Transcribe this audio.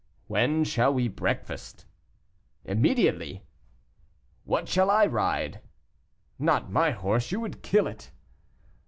"When shall we breakfast?" "Immediately." "What shall I ride?" "Not my horse; you would kill it."